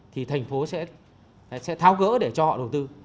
thì thành phố sẽ tháo gỡ để cho họ đầu tư